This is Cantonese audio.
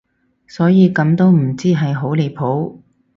所以咁都唔知係好離譜